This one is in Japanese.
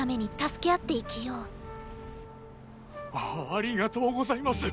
ありがとうございます！